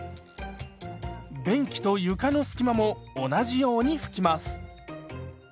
便器と床の隙間も同じように拭きます。